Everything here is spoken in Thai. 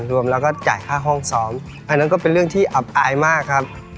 รวมแล้วก็จ่ายค่าห้องซ้อมอันนั้นก็เป็นเรื่องที่อับอายมากครับ